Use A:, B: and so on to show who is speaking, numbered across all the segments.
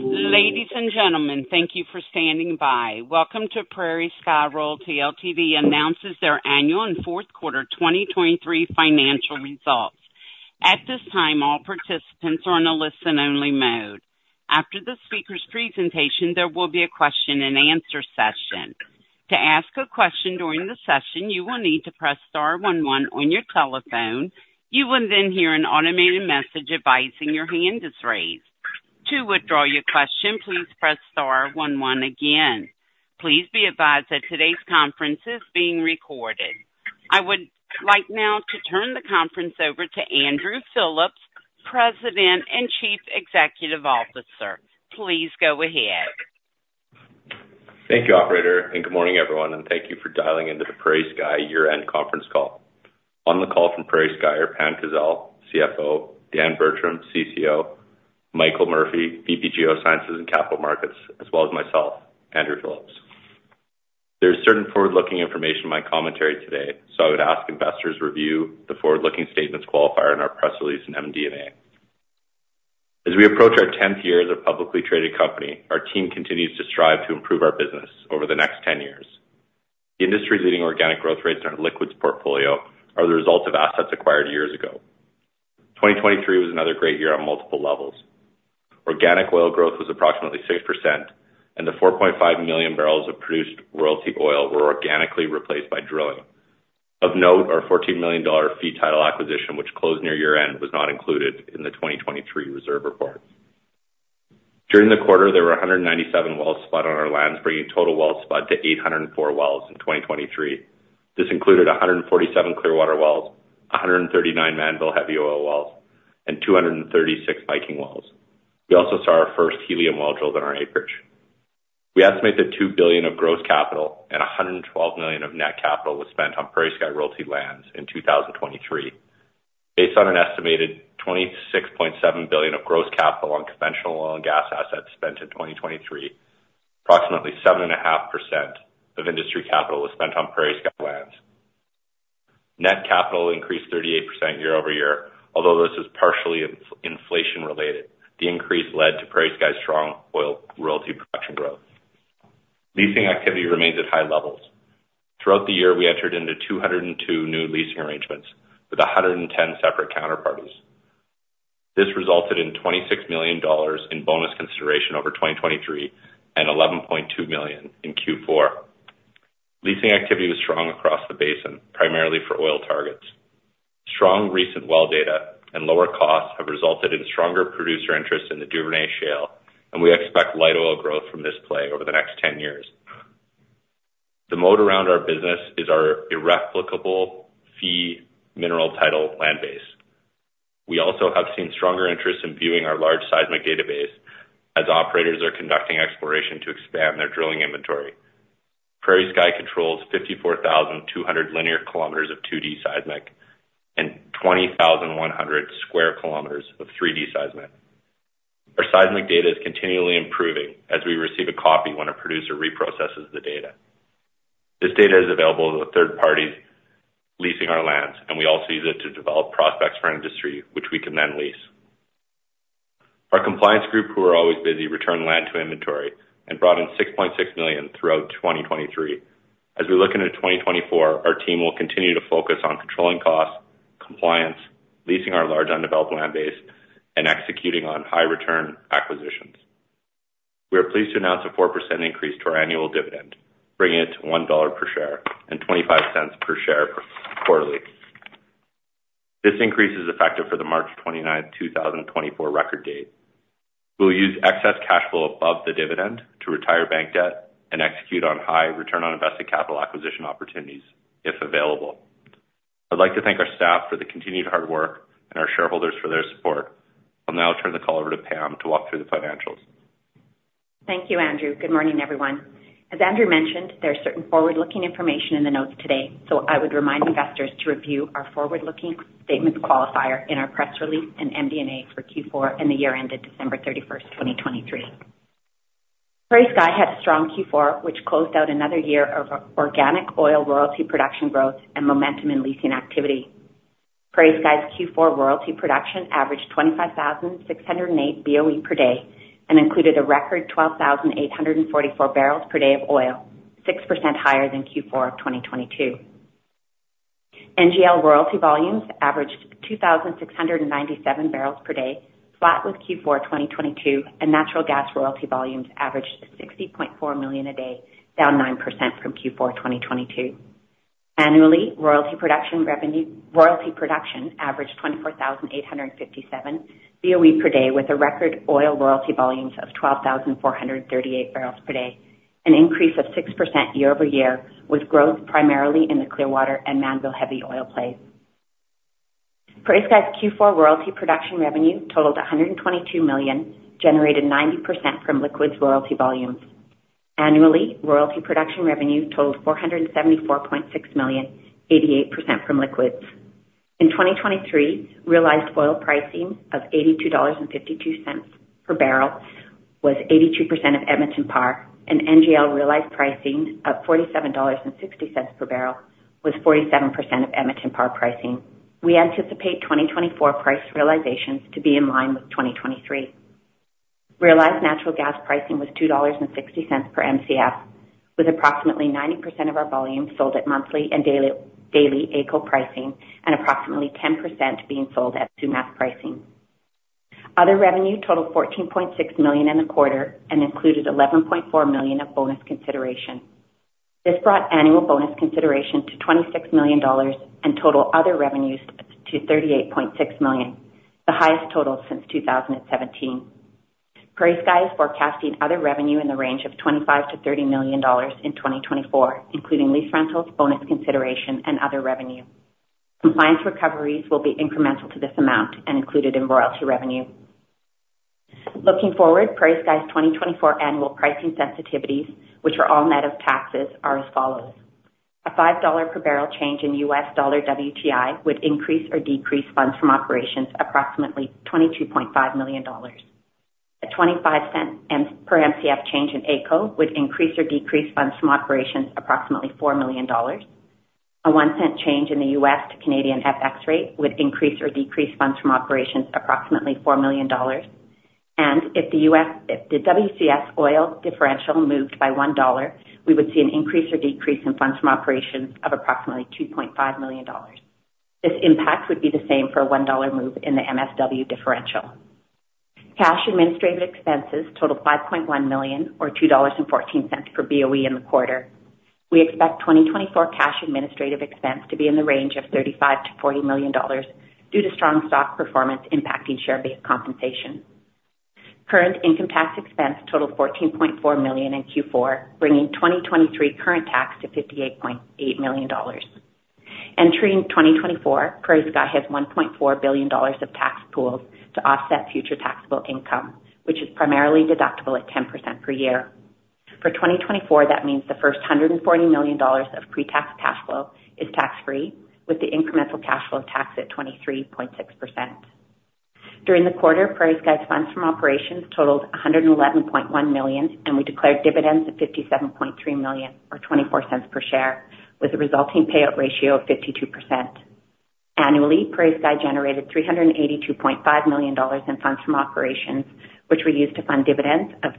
A: Ladies and gentlemen, thank you for standing by. Welcome to PrairieSky Royalty Ltd., announces their Annual and Fourth Quarter 2023 Financial Results. At this time, all participants are in a listen-only mode. After the speaker's presentation, there will be a question-and-answer session. To ask a question during the session, you will need to press star one one on your telephone. You will then hear an automated message advising your hand is raised. To withdraw your question, please press star one one again. Please be advised that today's conference is being recorded. I would like now to turn the conference over to Andrew Phillips, President and Chief Executive Officer. Please go ahead.
B: Thank you, Operator, and good morning, everyone. Thank you for dialing into the PrairieSky year-end conference call. On the call from PrairieSky are Pam Kazeil, CFO; Dan Bertram, CCO; Michael Murphy, VP Geosciences and Capital Markets; as well as myself, Andrew Phillips. There is certain forward-looking information in my commentary today, so I would ask investors review the forward-looking statements qualifier in our press release and MD&A. As we approach our 10th year as a publicly traded company, our team continues to strive to improve our business over the next 10 years. The industry-leading organic growth rates in our liquids portfolio are the result of assets acquired years ago. 2023 was another great year on multiple levels. Organic oil growth was approximately 6%, and the 4.5 million barrels of produced royalty oil were organically replaced by drilling. Of note, our 14 million dollar fee mineral title acquisition, which closed near year-end, was not included in the 2023 reserve report. During the quarter, there were 197 wells spud on our lands, bringing total well spud to 804 wells in 2023. This included 147 Clearwater wells, 139 Mannville heavy oil wells, and 236 Viking wells. We also saw our first helium well drilled in our acreage. We estimate that 2 billion of gross capital and 112 million of net capital was spent on PrairieSky Royalty lands in 2023. Based on an estimated 26.7 billion of gross capital on conventional oil and gas assets spent in 2023, approximately 7.5% of industry capital was spent on PrairieSky lands. Net capital increased 38% year-over-year, although this is partially inflation-related. The increase led to PrairieSky's strong oil royalty production growth. Leasing activity remains at high levels. Throughout the year, we entered into 202 new leasing arrangements with 110 separate counterparties. This resulted in 26 million dollars in bonus consideration over 2023 and 11.2 million in Q4. Leasing activity was strong across the basin, primarily for oil targets. Strong recent well data and lower costs have resulted in stronger producer interest in the Duvernay shale, and we expect light oil growth from this play over the next 10 years. The moat around our business is our irreplicable fee mineral title land base. We also have seen stronger interest in viewing our large seismic database as operators are conducting exploration to expand their drilling inventory. PrairieSky controls 54,200 linear km of 2D seismic and 20,100 sq km of 3D seismic. Our seismic data is continually improving as we receive a copy when a producer reprocesses the data. This data is available to third parties leasing our lands, and we also use it to develop prospects for industry, which we can then lease. Our compliance group, who are always busy, returned land to inventory and brought in 6.6 million throughout 2023. As we look into 2024, our team will continue to focus on controlling costs, compliance, leasing our large undeveloped land base, and executing on high-return acquisitions. We are pleased to announce a 4% increase to our annual dividend, bringing it to 1 dollar per share and 0.25 per share quarterly. This increase is effective for the March 29th, 2024 record date. We will use excess cash flow above the dividend to retire bank debt and execute on high return on invested capital acquisition opportunities, if available. I'd like to thank our staff for the continued hard work and our shareholders for their support. I'll now turn the call over to Pam to walk through the financials.
C: Thank you, Andrew. Good morning, everyone. As Andrew mentioned, there is certain forward-looking information in the notes today, so I would remind investors to review our forward-looking statements qualifier in our press release and MD&A for Q4 and the year-end at December 31st, 2023. PrairieSky had a strong Q4, which closed out another year of organic oil royalty production growth and momentum in leasing activity. PrairieSky's Q4 royalty production averaged 25,608 BOE per day and included a record 12,844 barrels per day of oil, 6% higher than Q4 of 2022. NGL royalty volumes averaged 2,697 barrels per day, flat with Q4 2022, and natural gas royalty volumes averaged 60.4 million a day, down 9% from Q4 2022. Annually, royalty production averaged 24,857 BOE per day, with a record oil royalty volumes of 12,438 barrels per day, an increase of 6% year-over-year, with growth primarily in the Clearwater and Mannville heavy oil plays. PrairieSky's Q4 royalty production revenue totaled 122 million, generated 90% from liquids royalty volumes. Annually, royalty production revenue totaled 474.6 million, 88% from liquids. In 2023, realized oil pricing of 82.52 dollars per barrel was 82% of Edmonton Par, and NGL realized pricing of 47.60 dollars per barrel was 47% of Edmonton Par pricing. We anticipate 2024 price realizations to be in line with 2023. Realized natural gas pricing was 2.60 dollars per MCF, with approximately 90% of our volume sold at monthly and daily AECO pricing and approximately 10% being sold at Sumas pricing. Other revenue totaled 14.6 million in the quarter and included 11.4 million of bonus consideration. This brought annual bonus consideration to 26 million dollars and total other revenues to 38.6 million, the highest total since 2017. PrairieSky is forecasting other revenue in the range of 25 million-30 million dollars in 2024, including lease rentals, bonus consideration, and other revenue. Compliance recoveries will be incremental to this amount and included in royalty revenue. Looking forward, PrairieSky's 2024 annual pricing sensitivities, which are all net of taxes, are as follows. A $5 per barrel change in U.S. dollar WTI would increase or decrease funds from operations approximately 22.5 million dollars. A 0.25 per MCF change in AECO would increase or decrease funds from operations approximately 4 million dollars. A $0.01 change in the U.S. to Canadian FX rate would increase or decrease funds from operations approximately 4 million dollars. If the WCS oil differential moved by $1, we would see an increase or decrease in funds from operations of approximately 2.5 million dollars. This impact would be the same for a $1 move in the MSW differential. Cash administrative expenses totaled 5.1 million or 2.14 dollars per BOE in the quarter. We expect 2024 cash administrative expense to be in the range of 35 million-40 million dollars due to strong stock performance impacting share-based compensation. Current income tax expense totaled 14.4 million in Q4, bringing 2023 current tax to 58.8 million dollars. Entering 2024, PrairieSky has 1.4 billion dollars of tax pools to offset future taxable income, which is primarily deductible at 10% per year. For 2024, that means the first 140 million dollars of pre-tax cash flow is tax-free, with the incremental cash flow tax at 23.6%. During the quarter, PrairieSky's Funds from Operations totaled 111.1 million, and we declared dividends of 57.3 million or 0.24 per share, with a resulting payout ratio of 52%. Annually, PrairieSky generated 382.5 million dollars in Funds from Operations, which were used to fund dividends of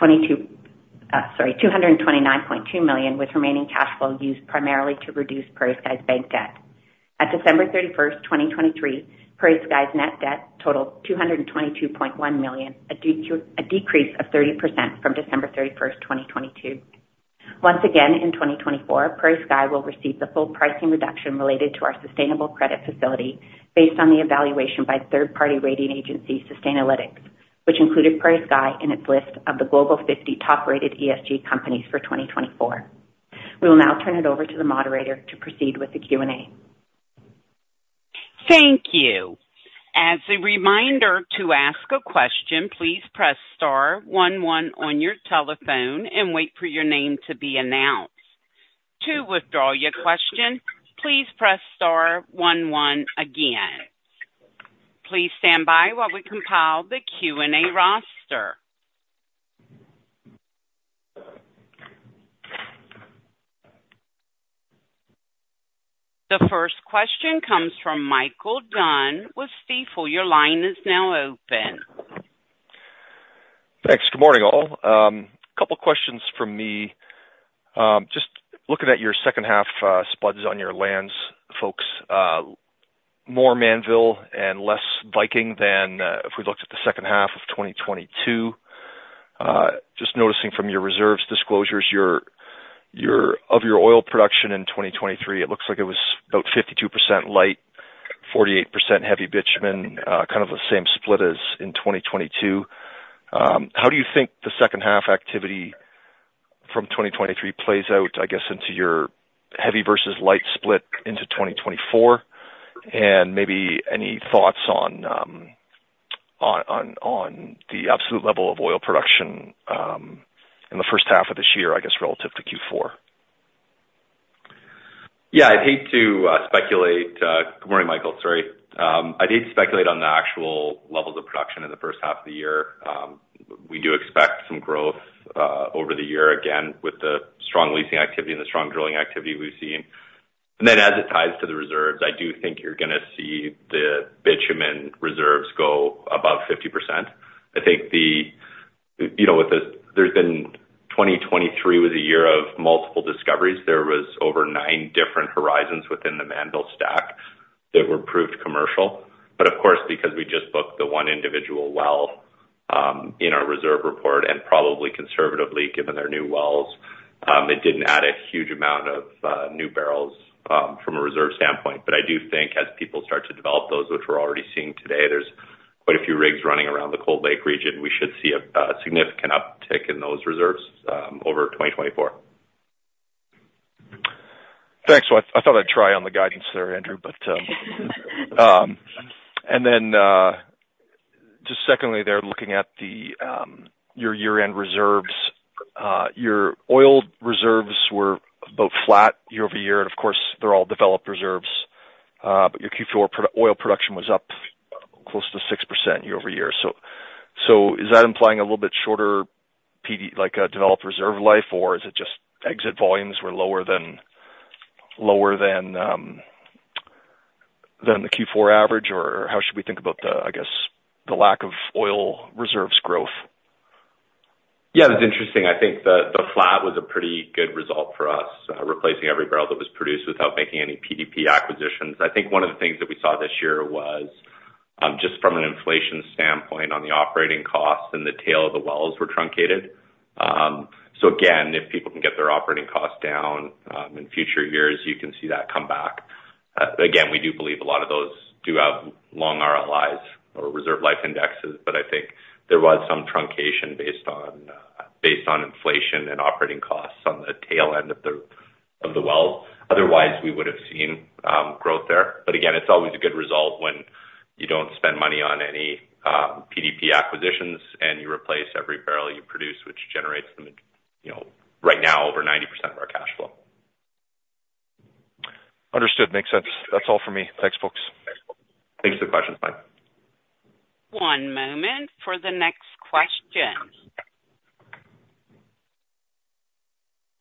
C: 229.2 million, with remaining cash flow used primarily to reduce PrairieSky's bank debt. At December 31st, 2023, PrairieSky's net debt totaled 222.1 million, a decrease of 30% from December 31st, 2022. Once again, in 2024, PrairieSky will receive the full pricing reduction related to our sustainable credit facility based on the evaluation by third-party rating agency Sustainalytics, which included PrairieSky in its list of the Global 50 top-rated ESG companies for 2024. We will now turn it over to the moderator to proceed with the Q&A.
A: Thank you. As a reminder to ask a question, please press star one one on your telephone and wait for your name to be announced. To withdraw your question, please press star one one again. Please stand by while we compile the Q&A roster. The first question comes from Michael Dunn with Stifel. Your line is now open.
D: Thanks. Good morning, all. A couple of questions from me. Just looking at your second-half spuds on your lands, folks, more Mannville and less Viking than if we looked at the second-half of 2022. Just noticing from your reserves disclosures of your oil production in 2023, it looks like it was about 52% light, 48% heavy bitumen, kind of the same split as in 2022. How do you think the second-half activity from 2023 plays out, I guess, into your heavy versus light split into 2024, and maybe any thoughts on the absolute level of oil production in the first half of this year, I guess, relative to Q4?
B: Yeah. I'd hate to speculate. Good morning, Michael. Sorry. I'd hate to speculate on the actual levels of production in the first half of the year. We do expect some growth over the year, again, with the strong leasing activity and the strong drilling activity we've seen. And then as it ties to the reserves, I do think you're going to see the bitumen reserves go above 50%. I think with this, there's been. 2023 was a year of multiple discoveries. There was over nine different horizons within the Mannville stack that were proved commercial. But of course, because we just booked the one individual well in our reserve report and probably conservatively, given their new wells, it didn't add a huge amount of new barrels from a reserve standpoint. But I do think as people start to develop those, which we're already seeing today, there's quite a few rigs running around the Cold Lake region, we should see a significant uptick in those reserves over 2024.
D: Thanks. Well, I thought I'd try on the guidance there, Andrew. Then just secondly, they're looking at your year-end reserves. Your oil reserves were both flat year-over-year, and of course, they're all developed reserves. Your Q4 oil production was up close to 6% year-over-year. Is that implying a little bit shorter developed reserve life, or is it just exit volumes were lower than the Q4 average, or how should we think about, I guess, the lack of oil reserves growth?
B: Yeah. It was interesting. I think the flat was a pretty good result for us, replacing every barrel that was produced without making any PDP acquisitions. I think one of the things that we saw this year was, just from an inflation standpoint, on the operating costs and the tail of the wells were truncated. So again, if people can get their operating costs down in future years, you can see that come back. Again, we do believe a lot of those do have long RLIs or reserve life indexes, but I think there was some truncation based on inflation and operating costs on the tail end of the wells. Otherwise, we would have seen growth there. But again, it's always a good result when you don't spend money on any PDP acquisitions and you replace every barrel you produce, which generates right now over 90% of our cash flow.
D: Understood. Makes sense. That's all for me. Thanks, folks.
B: Thanks for the questions. Bye.
A: One moment for the next question.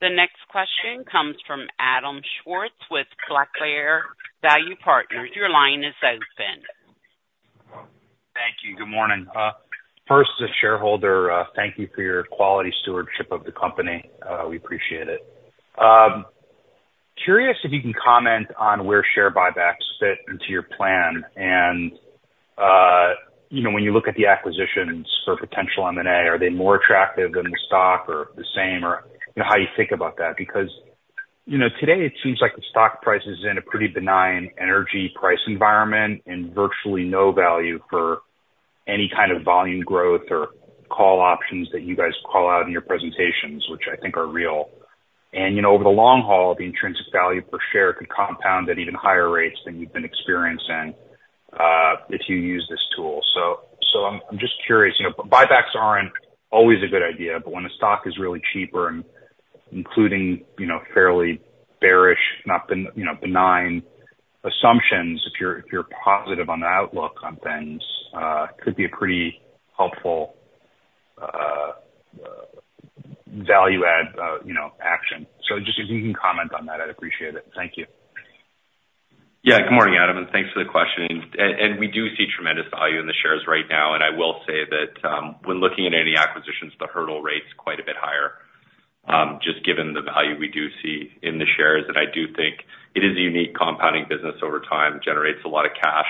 A: The next question comes from Adam Schwartz with Black Bear Value Partners. Your line is open.
E: Thank you. Good morning. First, as shareholder, thank you for your quality stewardship of the company. We appreciate it. Curious if you can comment on where share buybacks fit into your plan. And when you look at the acquisitions for potential M&A, are they more attractive than the stock or the same, or how you think about that? Because today, it seems like the stock price is in a pretty benign energy price environment and virtually no value for any kind of volume growth or call options that you guys call out in your presentations, which I think are real. And over the long haul, the intrinsic value per share could compound at even higher rates than you've been experiencing if you use this tool. So I'm just curious. Buybacks aren't always a good idea, but when the stock is really cheaper and including fairly bearish, not been benign assumptions, if you're positive on the outlook on things, it could be a pretty helpful value-add action. So just if you can comment on that, I'd appreciate it. Thank you.
B: Yeah. Good morning, Adam, and thanks for the question. And we do see tremendous value in the shares right now. And I will say that when looking at any acquisitions, the hurdle rate's quite a bit higher, just given the value we do see in the shares. And I do think it is a unique compounding business over time, generates a lot of cash.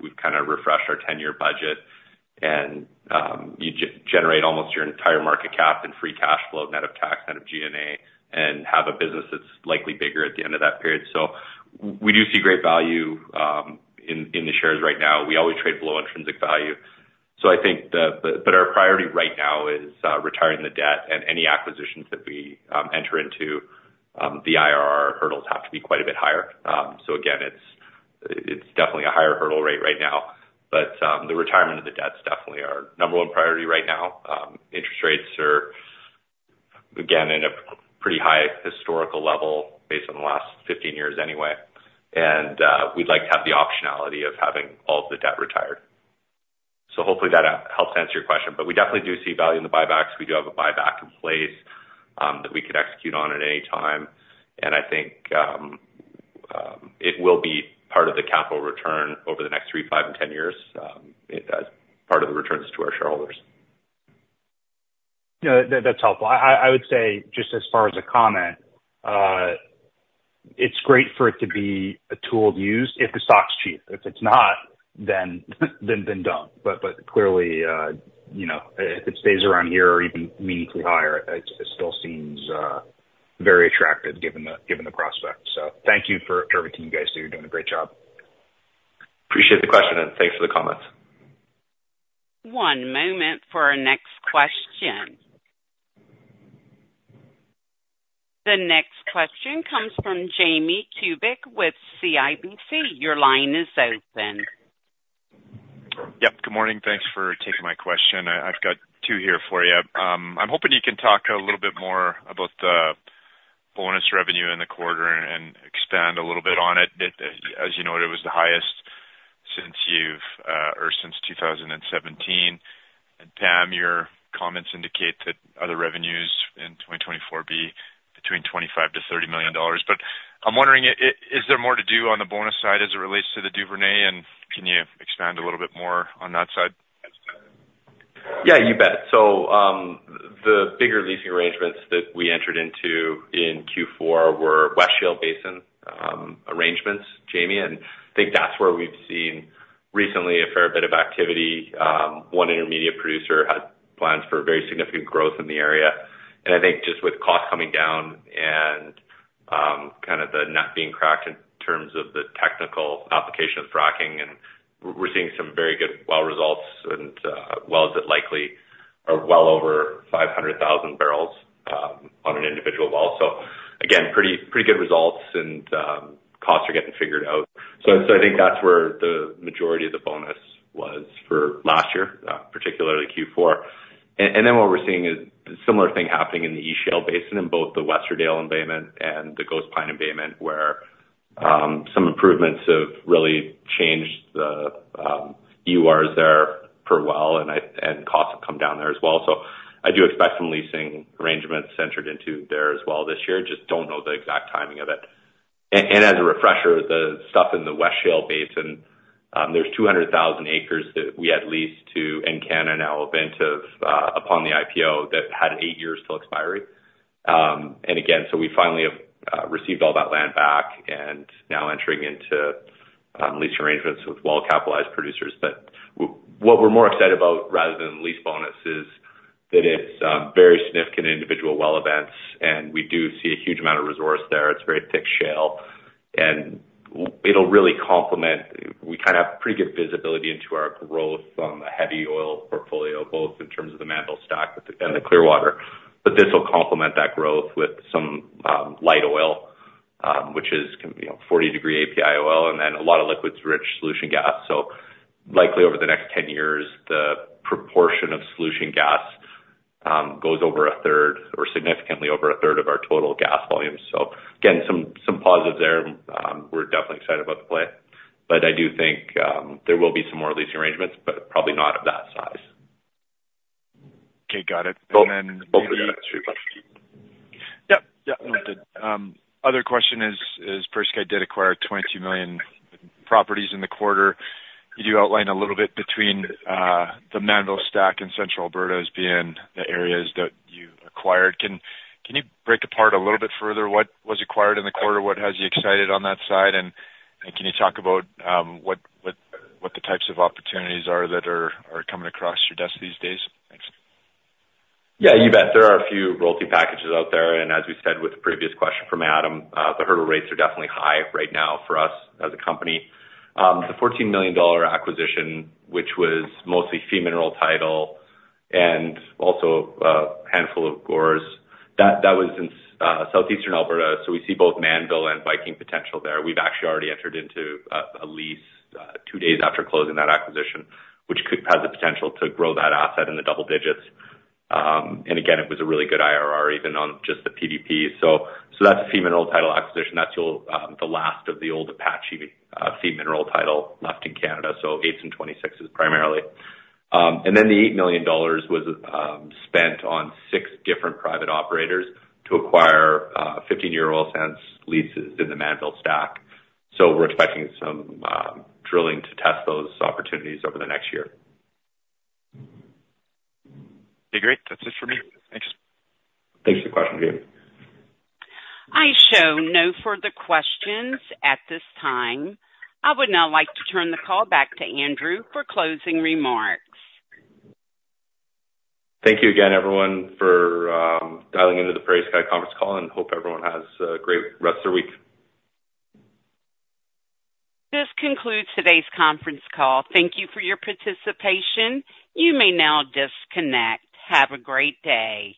B: We've kind of refreshed our 10-year budget, and you generate almost your entire market cap in free cash flow, net of tax, net of G&A, and have a business that's likely bigger at the end of that period. So we do see great value in the shares right now. We always trade below intrinsic value. But our priority right now is retiring the debt, and any acquisitions that we enter into, the IRR hurdles have to be quite a bit higher. So again, it's definitely a higher hurdle rate right now. But the retirement of the debt's definitely our number one priority right now. Interest rates are, again, at a pretty high historical level based on the last 15 years anyway. And we'd like to have the optionality of having all of the debt retired. So hopefully, that helps answer your question. But we definitely do see value in the buybacks. We do have a buyback in place that we could execute on at any time. And I think it will be part of the capital return over the next three, five, and 10 years as part of the returns to our shareholders.
E: Yeah. That's helpful. I would say just as far as a comment, it's great for it to be a tool to use if the stock's cheap. If it's not, then don't. But clearly, if it stays around here or even meaningfully higher, it still seems very attractive given the prospect. So thank you for serving you guys there. You're doing a great job.
B: Appreciate the question, and thanks for the comments.
A: One moment for our next question. The next question comes from Jamie Kubik with CIBC. Your line is open.
F: Yep. Good morning. Thanks for taking my question. I've got two here for you. I'm hoping you can talk a little bit more about the bonus revenue in the quarter and expand a little bit on it. As you know, it was the highest since 2017. And Pam, your comments indicate that other revenues in 2024 be between 25 million-30 million dollars. But I'm wondering, is there more to do on the bonus side as it relates to the Duvernay, and can you expand a little bit more on that side?
B: Yeah. You bet. So the bigger leasing arrangements that we entered into in Q4 were West Shale Basin arrangements, Jamie. And I think that's where we've seen recently a fair bit of activity. One intermediate producer has plans for very significant growth in the area. And I think just with costs coming down and kind of the nut being cracked in terms of the technical application of fracking, we're seeing some very good well results. And wells that likely are well over 500,000 barrels on an individual well. So again, pretty good results, and costs are getting figured out. So I think that's where the majority of the bonus was for last year, particularly Q4. Then what we're seeing is a similar thing happening in the East Shale Basin in both the Westerdale Embayment and the Ghost Pine Embayment, where some improvements have really changed the EURs there per well, and costs have come down there as well. I do expect some leasing arrangements centered into there as well this year. Just don't know the exact timing of it. As a refresher, the stuff in the West Shale Basin, there's 200,000 acres that we had leased to Encana and Ovintiv upon the IPO that had eight years till expiry. Again, so we finally have received all that land back and now entering into lease arrangements with well-capitalized producers. But what we're more excited about rather than lease bonus is that it's very significant individual well events, and we do see a huge amount of resource there. It's very thick shale. And it'll really complement. We kind of have pretty good visibility into our growth on the heavy oil portfolio, both in terms of the Mannville stack and the Clearwater. But this will complement that growth with some light oil, which is 40-degree API oil, and then a lot of liquids-rich solution gas. So likely over the next 10 years, the proportion of solution gas goes over 1/3 or significantly over 1/3 of our total gas volume. So again, some positives there. We're definitely excited about the play. But I do think there will be some more leasing arrangements, but probably not of that size.
F: Okay. Got it. And then.
B: Hopefully, that answered your question.
F: Yep. Yep. No, it did. Other question is, PrairieSky did acquire 20 million properties in the quarter. You do outline a little bit between the Mannville stack and Central Alberta as being the areas that you acquired. Can you break apart a little bit further? What was acquired in the quarter? What has you excited on that side? And can you talk about what the types of opportunities are that are coming across your desk these days? Thanks.
B: Yeah. You bet. There are a few royalty packages out there. And as we said with the previous question from Adam, the hurdle rates are definitely high right now for us as a company. The 14 million dollar acquisition, which was mostly fee mineral title and also a handful of GORs, that was in Southeast Alberta. So we see both Mannville and Viking potential there. We've actually already entered into a lease two days after closing that acquisition, which has the potential to grow that asset in the double digits. And again, it was a really good IRR, even on just the PDP. So that's a fee mineral title acquisition. That's the last of the old Apache fee mineral title left in Canada. So 8s and 26s primarily. And then the 8 million dollars was spent on six different private operators to acquire 15-year oil sands leases in the Mannville stack. We're expecting some drilling to test those opportunities over the next year.
F: Okay. Great. That's it for me. Thanks.
B: Thanks for the question, Jamie.
A: I show no further questions at this time. I would now like to turn the call back to Andrew for closing remarks.
B: Thank you again, everyone, for dialing into the PrairieSky Conference Call, and hope everyone has a great rest of the week.
A: This concludes today's conference call. Thank you for your participation. You may now disconnect. Have a great day.